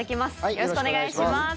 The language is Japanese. よろしくお願いします。